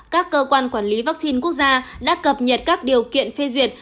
các cơ quan quản lý vaccine quốc gia đã cập nhật các điều kiện phê duyệt